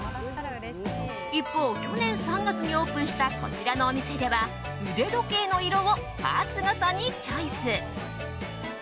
一方、去年３月にオープンしたこちらのお店では腕時計の色をパーツごとにチョイス。